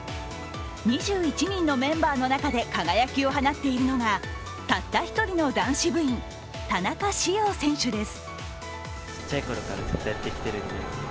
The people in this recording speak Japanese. ２１人のメンバーの中で輝きを放っているのが、たった１人の男子部員、田中紫陽選手です。